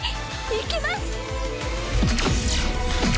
行きます！